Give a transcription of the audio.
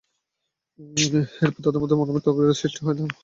এরপর তাদের নিজেদের মধ্যে মতবিরোধ সৃষ্টি হয় এবং তারা পরস্পর হানাহানিতে লিপ্ত হয়।